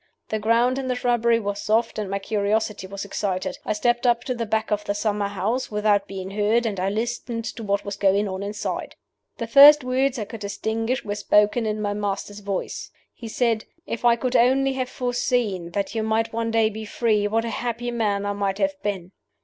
The ground in the shrubbery was soft, and my curiosity was excited. I stepped up to the back of the summer house without being heard, and I listened to what was going on inside. "The first words I could distinguish were spoken in my master's voice. He said, 'If I could only have foreseen that you might one day be free, what a happy man I might have been!